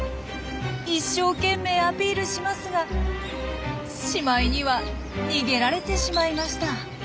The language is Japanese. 一生懸命アピールしますがしまいには逃げられてしまいました。